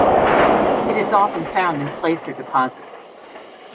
It is often found in placer deposits.